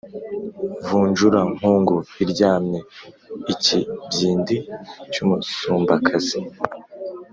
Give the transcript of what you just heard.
Vunjura Nkungu iryame-Ikibyindi cy'umusumbakazi.